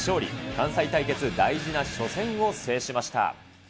関西対決、大事な初戦を制しました。